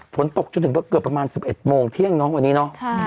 ฝนตกจนถึงเกือบประมาณ๑๑โมงเที่ยงน้องวันนี้เนาะ